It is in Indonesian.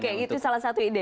kayak itu salah satu ide